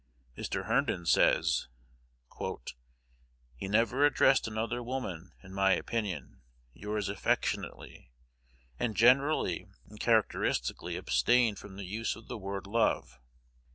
Mr. Herndon says, "He never addressed another woman, in my opinion, 'Yours affectionately,' and generally and characteristically abstained from the use of the word '_love.